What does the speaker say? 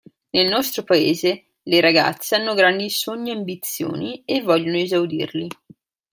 Nel nostro paese, le ragazze hanno grandi sogni e ambizioni, e vogliono esaudirli.